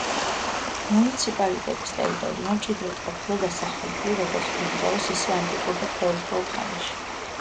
მუნიციპალიტეტის ტერიტორია მჭიდროდ ყოფილა დასახლებული როგორც ბრინჯაოს, ისე ანტიკურ და ფეოდალურ ხანაში.